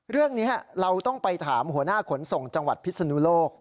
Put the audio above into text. เรื่องนี้เราต้องไปถามหัวหน้าขนส่งจังหวัดพิศนุโลก